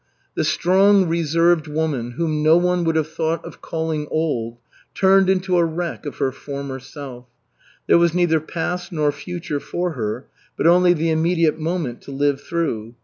The strong, reserved woman, whom no one would have thought of calling old, turned into a wreck of her former self. There was neither past nor future for her, but only the immediate moment to live through.